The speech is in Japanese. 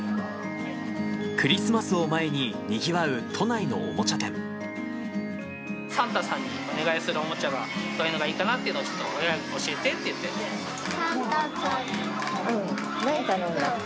クリスマスを前に、サンタさんにお願いするおもちゃが、どういうのがいいのかなっていうのを、ちょっと親に親に教えてって言って。